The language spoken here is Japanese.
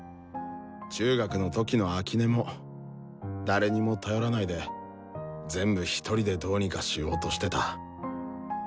中学の時の秋音も誰にも頼らないで全部ひとりでどうにかしようとしてた。